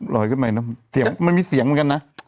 รอยขึ้นไปนะมันมีเสียงเหมือนกันนะ